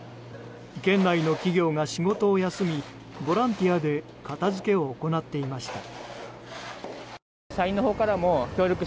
県内の企業が仕事を休みボランティアで片づけを行っていました。